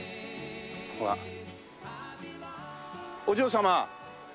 お嬢様。